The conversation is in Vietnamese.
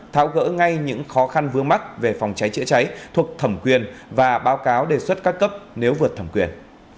tháo gỡ ngay những khó khăn vướng mắt về phòng cháy chữa cháy thuộc thẩm quyền và báo cáo đề xuất các cấp nếu vượt thẩm quyền